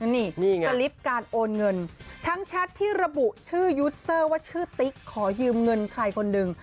นี่ไงสลิปการโอนเงินทั้งแชทที่ระบุชื่อยูสเซอร์ว่าชื่อติ๊กขอยืมเงินใครคนหนึ่ง